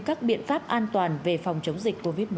các biện pháp an toàn về phòng chống dịch covid một mươi chín